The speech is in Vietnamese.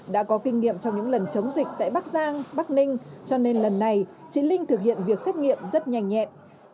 đã có kinh nghiệm trong những lần chống dịch tại bắc giang bắc ninh cho nên lần này chị linh thực hiện việc xét nghiệm rất nhanh nhẹn